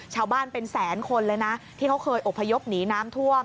ชาวบ้านเป็นแสนคนเลยนะที่เขาเคยอบพยพหนีน้ำท่วม